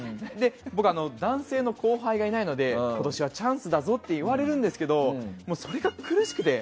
僕、男性の後輩がいないので今年はチャンスだぞって言われるんですけどそれが苦しくて。